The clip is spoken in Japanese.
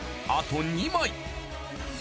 あと２枚。